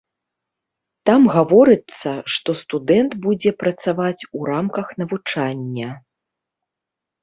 Там гаворыцца, што студэнт будзе працаваць у рамках навучання.